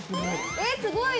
◆え、すごい。